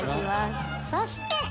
そして！